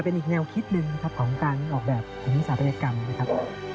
เป็นน่าวคิดหนึ่งของการออกแบบกลางนิดนึงสันพยกรรมนะครับ